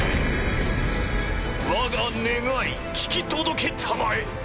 わが願い聞き届けたまえ！